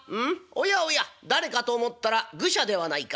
おやおや誰かと思ったら愚者ではないか。